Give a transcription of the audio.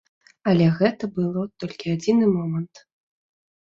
Але гэта было толькі адзіны момант.